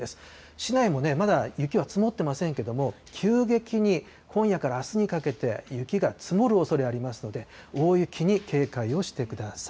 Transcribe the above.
市内もまだ雪は積もってませんけれども、急激に今夜からあすにかけて、雪が積もるおそれありますので、大雪に警戒をしてください。